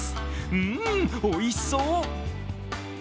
うーん、おいしそう。